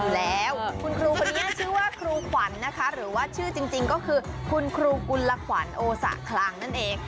อยู่แล้วคุณครูคนนี้ชื่อว่าครูขวัญนะคะหรือว่าชื่อจริงก็คือคุณครูกุลขวัญโอสะคลังนั่นเอง